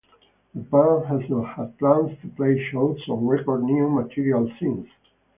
The band has not had plans to play shows or record new material since.